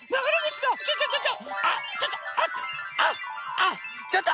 あっちょっと！